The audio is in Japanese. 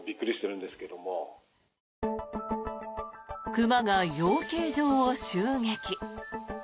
熊が養鶏場を襲撃。